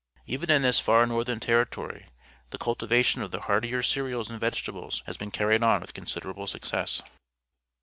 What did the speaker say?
Even in this far northern territory the cultivation of the hardier cereals and vegetables has been carried on with considerable success.